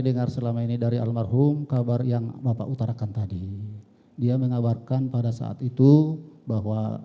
dengar selama ini dari almarhum kabar yang bapak utarakan tadi dia mengabarkan pada saat itu bahwa